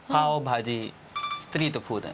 ストリートフード。